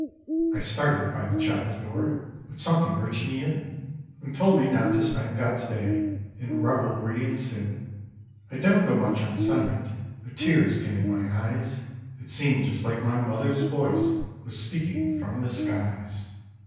I started by the chapel door, But something urged me in, And told me not to spend God's day In revelry and sin. I don't go much on sentiment, But tears came in my eyes. It seemed just like my mother's voice Was speaking from the skies.